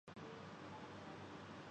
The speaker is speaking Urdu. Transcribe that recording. یوں کوئے صنم میں وقت سفر نظارۂ بام ناز کیا